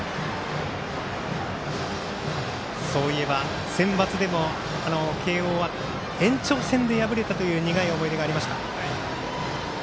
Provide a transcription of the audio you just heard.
そういえばセンバツでも慶応は延長戦で敗れたという苦い思い出がありました。